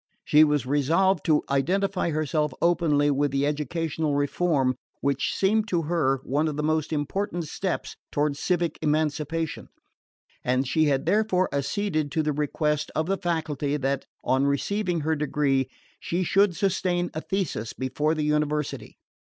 She was resolved to identify herself openly with the educational reform which seemed to her one of the most important steps toward civic emancipation; and she had therefore acceded to the request of the faculty that, on receiving her degree, she should sustain a thesis before the University.